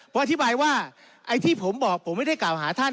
เพราะอธิบายว่าไอ้ที่ผมบอกผมไม่ได้กล่าวหาท่าน